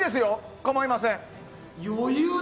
構いません。